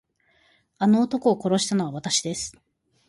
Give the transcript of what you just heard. あの男を殺したのはわたしです。